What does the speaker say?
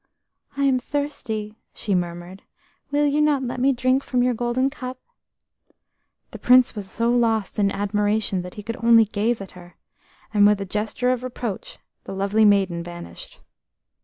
"I am thirsty," she murmured. "Will you not let me drink from your golden cup?" The Prince was so lost in admiration that he could only gaze at her, and with a gesture of reproach the lovely maiden vanished.